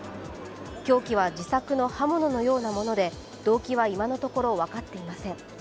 凶器は自作の刃物のようなもので動機は今のところ分かっていません。